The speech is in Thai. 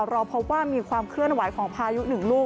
เราพบว่ามีความเคลื่อนไหวของพายุหนึ่งลูก